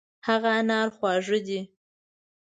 هغه انار خوږ دی.